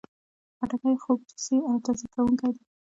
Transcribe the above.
خټکی خوږ، جوسي او تازه کوونکی دی.